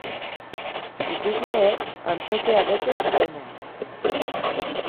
Ikusleek antzokia bete zutenean.